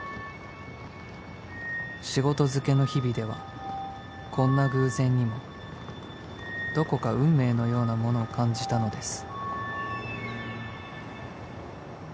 ［仕事漬けの日々ではこんな偶然にもどこか運命のようなものを感じたのです］